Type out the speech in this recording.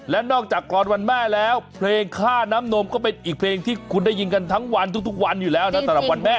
และนอกจากกรวันแม่แล้วเพลงค่าน้ำนมก็เป็นอีกเพลงที่คุณได้ยินกันทั้งวันทุกวันอยู่แล้วนะสำหรับวันแม่